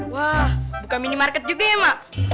wah bukan minimarket juga ya mak